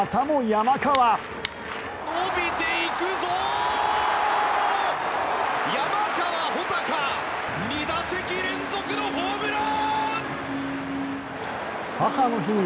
山川穂高２打席連続のホームラン！